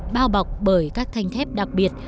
bao bọc bởi các thanh thép đặc biệt